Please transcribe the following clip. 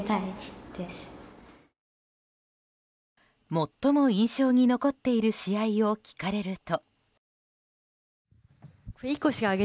最も印象に残っている試合を聞かれると。